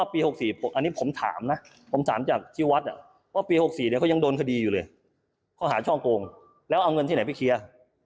ปี๖๔อันนี้ผมถามนะผมถามจากที่วัดว่าปี๖๔เขายังโดนคดีอยู่เลยข้อหาช่อโกงแล้วเอาเงินที่ไหนไปเคลียร์